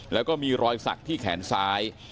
แล้วก็มีรอยสักที่แขนซ้าย